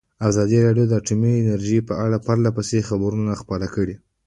ازادي راډیو د اټومي انرژي په اړه پرله پسې خبرونه خپاره کړي.